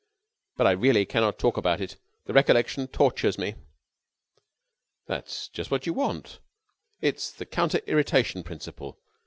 But I really cannot talk about it. The recollection tortures me." "That's just what you want. It's the counter irritation principle.